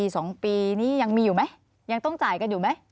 ต้องมีกะได